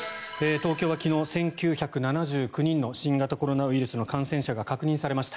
東京は昨日、１９７９人の新型コロナウイルスの感染者が確認されました。